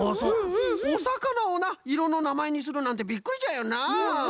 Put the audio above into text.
おさかなをないろのなまえにするなんてびっくりじゃよな。